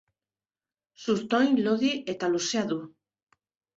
Zurtoin lodi eta luzea du.